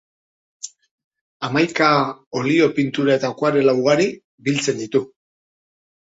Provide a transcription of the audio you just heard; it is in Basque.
Hamaika olio-pintura eta akuarela ugari biltzen ditu.